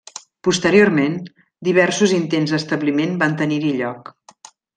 Posteriorment, diversos intents d'establiment van tenir-hi lloc.